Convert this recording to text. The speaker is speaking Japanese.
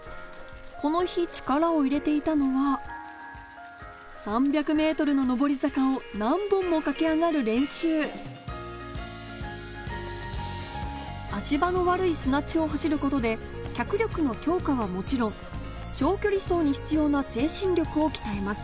この日力を入れていたのは３００ｍの上り坂を何本も駆け上がる練習足場の悪い砂地を走ることで脚力の強化はもちろん長距離走に必要な精神力を鍛えます